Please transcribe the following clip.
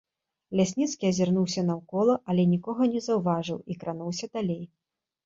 Лясніцкі азірнуўся наўкола, але нікога не заўважыў і крануўся далей.